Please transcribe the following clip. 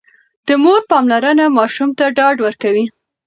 د مور پاملرنه ماشوم ته ډاډ ورکوي.